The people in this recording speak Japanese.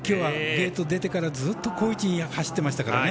ゲートを出てからずっと好位置を走っていましたからね。